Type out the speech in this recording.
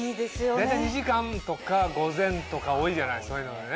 大体２時間とか午前とか多いじゃないそういうのはね。